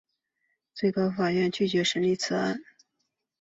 最高法院拒绝审理此案。